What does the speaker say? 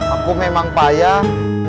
aku memang payah